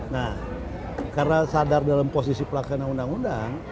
nah karena sadar dalam posisi pelaksana undang undang